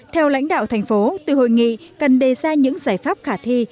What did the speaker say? theo lãnh đạo thành phố từ hội nghị cần đề ra những giải pháp khả thi